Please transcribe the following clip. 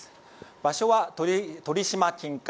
場所は鳥島近海。